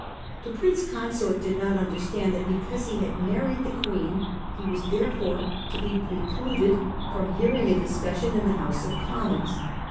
The Prince Consort did not under stand that because he had married the Queen he was therefore to be precluded from hearing a discussion in the House of Commons.